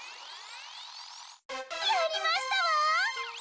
やりましたわ！